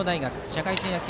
社会人野球